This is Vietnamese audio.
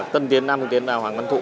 tân tiến nam tân tiến và hoàng văn thụ